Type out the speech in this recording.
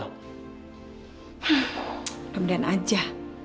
hmm kemudian aja